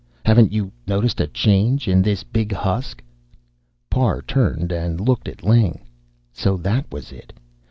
Haven't you noticed a change in this big husk?" Parr turned and looked at Ling. So that was it!